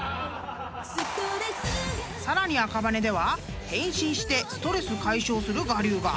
［さらに赤羽では変身してストレス解消する我流が］